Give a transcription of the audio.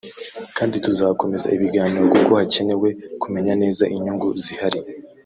kandi tuzakomeza ibiganiro kuko hakenewe kumenya neza inyungu zihari